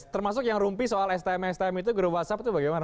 termasuk yang rumpi soal stm stm itu grup whatsapp itu bagaimana